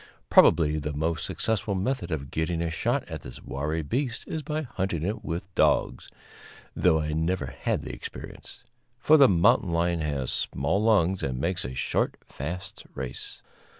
Probably the most successful method of getting a shot at this wary beast is by hunting it with dogs (though I never had the experience), for the mountain lion has small lungs and makes a short, fast race.